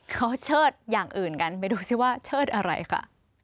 เขาเชิดอย่างอื่นกันไปดูสิว่าเชิดอะไรค่ะ